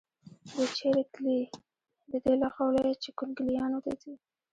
دوی چېرې تلې؟ د دې له قوله چې کونګلیانو ته ځي.